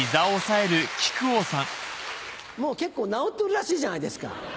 もう結構治ってるらしいじゃないですか。